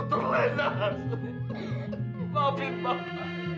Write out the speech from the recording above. kita mereka harus bekerja di peristiwa terakhir